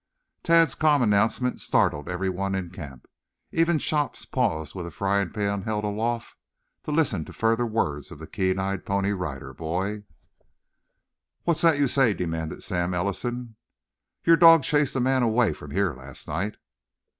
Tad's calm announcement startled everyone in camp. Even Chops paused with frying pan held aloft to listen to the further words of the keen eyed Pony Rider Boy. "What's that you say?" demanded Sam Ellison. "Your dog chased a man away from here last night."